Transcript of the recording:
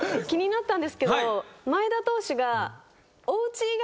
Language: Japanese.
気になったんですけど前田投手が。